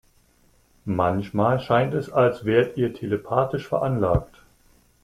Manchmal scheint es, als wärt ihr telepathisch veranlagt.